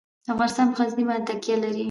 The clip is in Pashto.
افغانستان په غزني باندې تکیه لري.